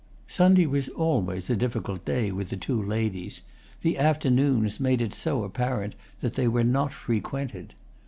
Sunday was always a difficult day with the two ladies—the afternoons made it so apparent that they were not frequented.